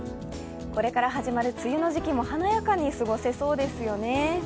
これから始まる梅雨の時期も華やかに過ごせそうですよね。